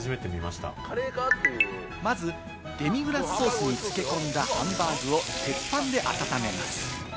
まずデミグラスソースに漬け込んだハンバーグを鉄板で温めます。